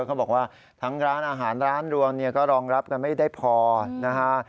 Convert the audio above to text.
เขาบอกว่าทั้งร้านอาหารร้านรวมเนี่ยก็รองรับกันไม่ได้พอนะฮะ